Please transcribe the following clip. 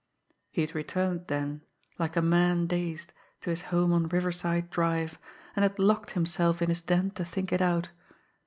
He had returned then, like a man dazed, to his home on Riverside Drive, and had locked himself in his den to think it out.